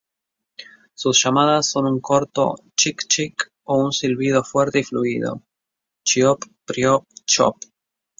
Sus llamadas son un corto "chik-chick" o un silbido fuerte y fluido "cheoop-preeoo-chop".